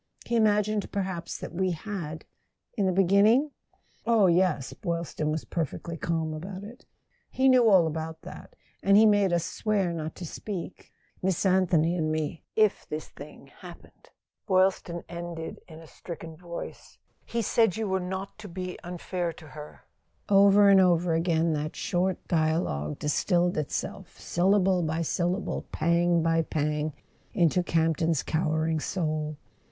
"He imagined perhaps that we had —in the begin¬ ning ?" "Oh, yes"—Boylston was perfectly calm about it —"he knew all about that. And he made us swear not to speak; Miss Anthony and me. Miss Anthony knew. .. If this thing happened," Boylston ended in a stricken voice, "you were not to be unfair to her, he said." Over and over again that short dialogue distilled itself syllable by syllable, pang by pang, into Camp ton's cowering soul.